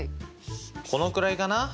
このくらいかな？